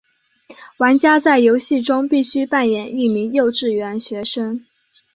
玩家在游戏中必须扮演一名幼稚园学生。